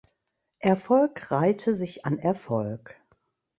Erfolg reihte sich an Erfolg.